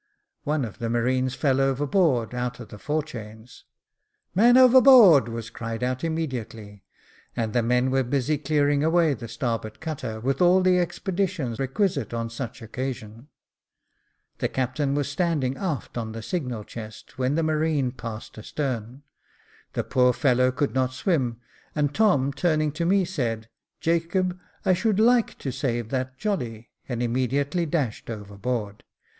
One of the marines fell overboard, out of the forechains. "Man overboard," was cried out immedi ately, and the men were busy clearing away the starboard cutter, with all the expedition requisite on such an occasion. The captain was standing aft on the signal chest, when the marine passed astern ; the poor fellow could not swim, and Tom turning to me said, "Jacob, I should /ike to save that jolly," and immediately dashed overboard.